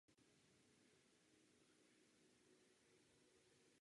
Vznikají i několik desítek let za velmi specifických podmínek.